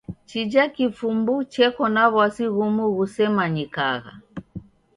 Chija kifumbu cheko na w'asi ghumu ghusemanyikagha.